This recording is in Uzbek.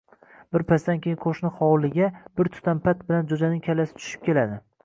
Birpasdan keyin qo‘shni hovliga bir tutam pat bilan jo‘janing kallasi tushib keladi